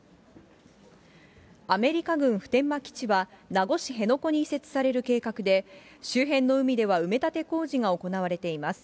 アメリカ軍普天間基地は名護市辺野古に移設される計画で、周辺の海では埋め立て工事が行われています。